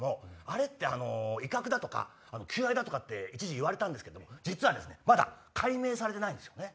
あれって威嚇だとか求愛だとか一時言われたんですけど実はですねまだ解明されてないんですよね。